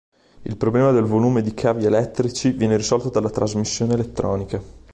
Il problema del volume di cavi elettrici viene risolto dalla trasmissione elettronica.